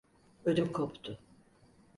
Ödüm koptu…